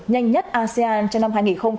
nhanh nhất asean trong năm hai nghìn một mươi chín